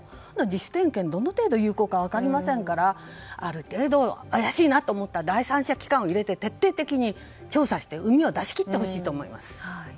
自主点検がどの程度有効かは分かりませんからある程度怪しいなと思ったら第三者機関を入れて徹底的に調査をして膿を出し切ってほしいと思います。